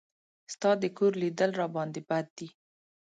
ستا د کور لیدل راباندې بد دي.